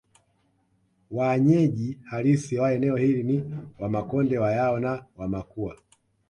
Wanyeji halisi wa eneo hili ni Wamakonde Wayao na Wamakua